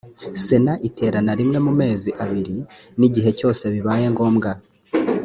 sena iterana rimwe mu mezi abiri n’igihe cyose bibaye ngombwa